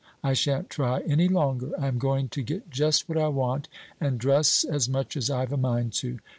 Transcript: I shan't try any longer. I am going to get just what I want, and dress as much as I've a mind to.